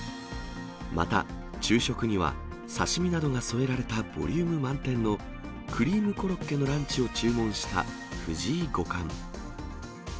また、昼食には刺身などが添えられたボリューム満点のクリームコロッケのランチを注文した藤井五冠。